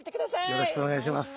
よろしくお願いします。